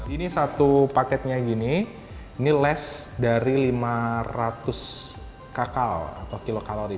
ini satu paketnya gini ini les dari lima ratus kakak atau kilokalori